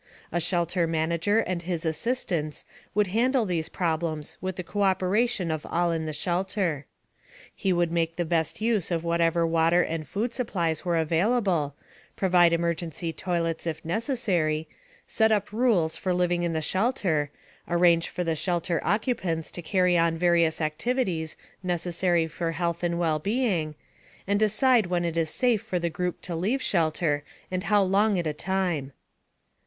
A shelter manager and his assistants would handle these problems with the cooperation of all in the shelter. He would make the best use of whatever water and food supplies were available, provide emergency toilets if necessary, set up rules for living in the shelter, arrange for the shelter occupants to carry on various activities necessary for health and well being, and decide when it was safe for the group to leave shelter and for how long at a time.